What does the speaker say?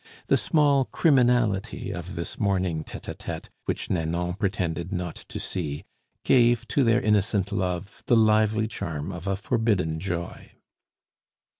The small criminality of this morning tete a tete which Nanon pretended not to see, gave to their innocent love the lively charm of a forbidden joy.